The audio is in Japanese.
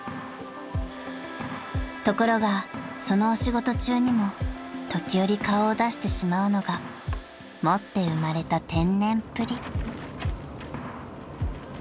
［ところがそのお仕事中にも時折顔を出してしまうのが持って生まれた天然っぷり］